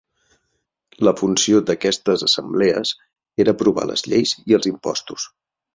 La funció d'aquestes assemblees era aprovar les lleis i els impostos.